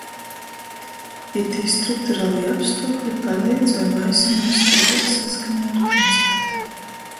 Itī strukturalī apstuokli paleidz voi maisa mums dzeivuot saskaņā ar principim.